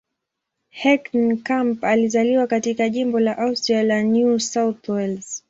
Heckenkamp alizaliwa katika jimbo la Australia la New South Wales.